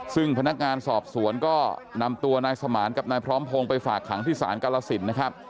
ซึ่งพนักงานสอบสวนก็นำตัวนายสมานกับนายพร้อมพงศ์ไปฝากขังที่ศาลกรสินนะครับ